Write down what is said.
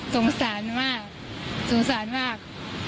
สงสารมากสงสารมาก